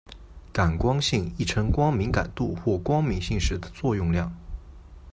感光性亦称光敏感度或光敏性时的作用量。